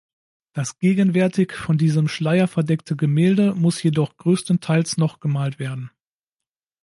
Das gegenwärtig von diesem Schleier verdeckte Gemälde muss jedoch größtenteils noch gemalt werden.